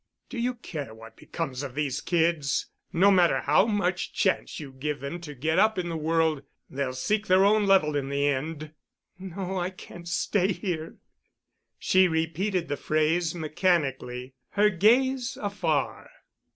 Do you care what becomes of these kids? No matter how much chance you give them to get up in the world, they'll seek their own level in the end." "No, I can't stay here." She repeated the phrase mechanically, her gaze afar.